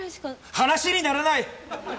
話にならない！